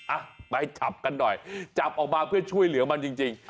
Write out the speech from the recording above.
อ่ะไปจับกันหน่อยจับออกมาเพื่อช่วยเหลือมันจริง